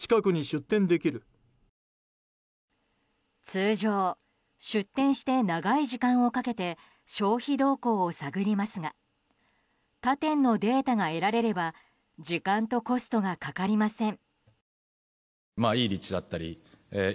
通常、出店して長い時間をかけて消費動向を探りますが他店のデータが得られれば時間とコストがかかりません。